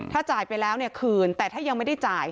ถ้าจ่ายไปแล้วเนี่ยคืนแต่ถ้ายังไม่ได้จ่าย